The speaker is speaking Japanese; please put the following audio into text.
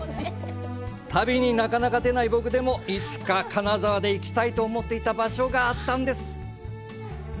旅になかなか出ない僕でもいつか金沢で行きたいと思っていた場所があります。